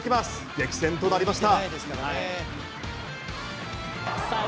激戦となりました。